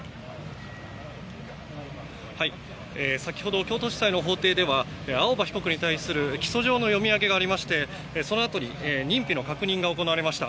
先ほど京都地裁の法廷では青葉被告に対する起訴状の読み上げがありましてそのあとに認否の確認が行われました。